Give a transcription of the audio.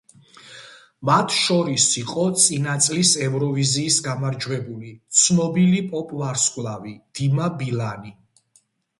მათ შორის იყო, წინა წლის ევროვიზიის გამარჯვებული, ცნობილი პოპ ვარსკვლავი – დიმა ბილანი.